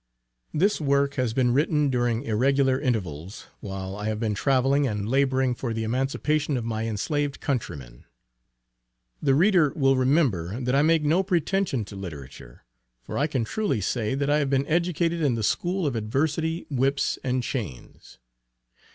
This work has been written during irregular intervals, while I have been travelling and laboring for the emancipation of my enslaved countrymen. The reader will remember that I make no pretension to literature; for I can truly say, that I have been educated in the school of adversity, whips, and chains.